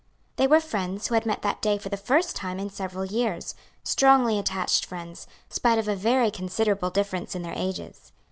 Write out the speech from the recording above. They were friends who had met that day for the first time in several years; strongly attached friends, spite of a very considerable difference in their ages.